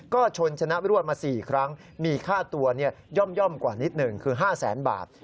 ก็ชนชนะรวดมา๔ครั้งมีค่าตัวย่อมกว่านิดหนึ่งคือ๕แสนบาท